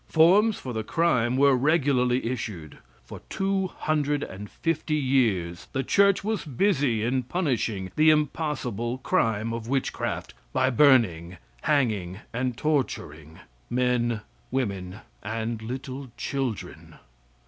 Forms for the crime were regularly issued. For two hundred and fifty years the church was busy in punishing the impossible crime of witchcraft by burning, hanging and torturing men, women and little children.